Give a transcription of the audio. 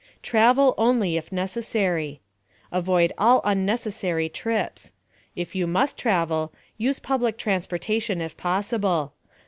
* TRAVEL ONLY IF NECESSARY. Avoid all unnecessary trips. If you must travel, use public transportation if possible.